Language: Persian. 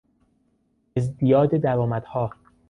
ازدیاد درآمدها